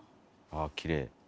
ああきれい。